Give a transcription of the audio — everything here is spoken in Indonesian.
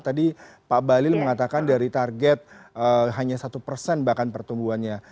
tadi pak balil mengatakan dari target hanya satu persen bahkan pertumbuhannya